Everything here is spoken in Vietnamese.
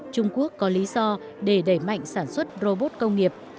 trung quốc có lý do để đẩy mạnh sản xuất robot công nghiệp